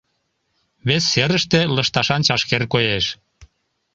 Вес серыште лышташан чашкер коеш.